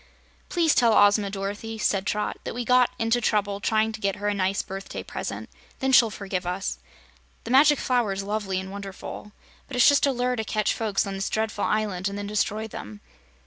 "Please tell Ozma, Dorothy," said Trot, "that we got into trouble trying to get her a nice birthday present. Then she'll forgive us. The Magic Flower is lovely and wonderful, but it's just a lure to catch folks on this dreadful island and then destroy them.